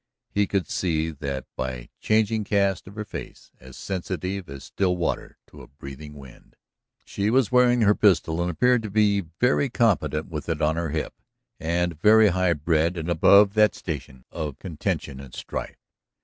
He could see that by the changing cast of her face, as sensitive as still water to a breathing wind. She was wearing her pistol, and appeared very competent with it on her hip, and very high bred and above that station of contention and strife.